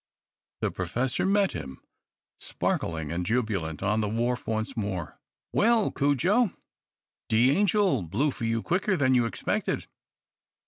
The Professor met him, sparkling and jubilant, on the wharf once more. "Well, Cudjo, 'de angel' blew for you quicker than you expected."